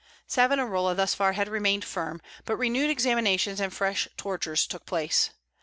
Savonarola thus far had remained firm, but renewed examinations and fresh tortures took place.